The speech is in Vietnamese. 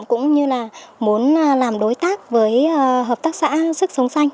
cũng như là muốn làm đối tác với hợp tác xã sức sống xanh